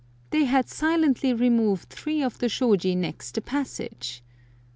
They had silently removed three of the shôji next the passage!